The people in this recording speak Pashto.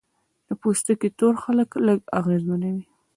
د پوستکي تور خلک لږ اغېزمنېږي.